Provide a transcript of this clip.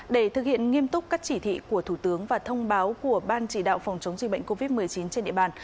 để thực hiện nghiêm túc các chỉ thị của thủ tướng và thông báo của ban chỉ đạo phòng chống dịch bệnh covid một mươi chín trên địa bàn